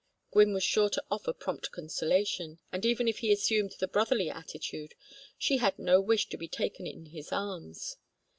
Gwynne was sure to offer prompt consolation, and even if he assumed the brotherly attitude, she had no wish to be taken in his arms.